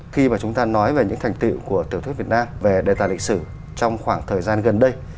khi mà chúng ta nói về những thành tiệu của tiểu thuyết việt nam về đề tài lịch sử trong khoảng thời gian gần đây